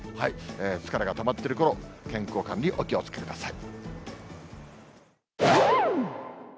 疲れがたまっているころ、健康管理、お気をつけください。